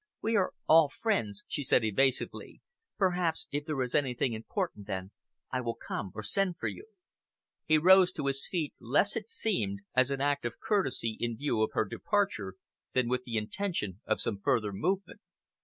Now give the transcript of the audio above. "We are all friends," she said evasively. "Perhaps if there is anything important, then I will come, or send for you." He rose to his feet, less, it seemed, as an act of courtesy in view of her departure, than with the intention of some further movement.